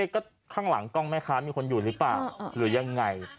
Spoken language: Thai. ก็ข้างหลังกล้องแม่ค้ามีคนอยู่หรือเปล่าหรือยังไง